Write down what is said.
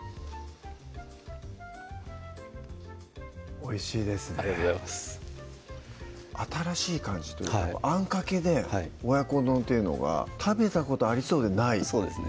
おいしいですねありがとうございます新しい感じというかあんかけで親子丼というのが食べたことありそうでないそうですね